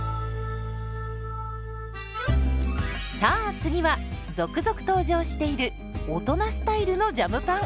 さあ次は続々登場している大人スタイルのジャムパン。